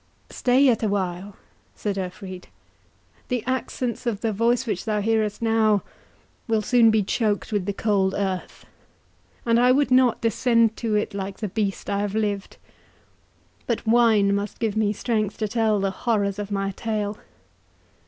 "Stay yet a while," said Urfried; "the accents of the voice which thou hearest now will soon be choked with the cold earth, and I would not descend to it like the beast I have lived. But wine must give me strength to tell the horrors of my tale."